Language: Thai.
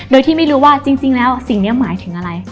โดยที่ไม่รู้ว่าจริงแล้วสิ่งนี้หมายถึงอะไร